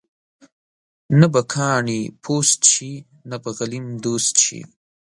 نه به کاڼې پوست شي ، نه به غلیم دوست شي.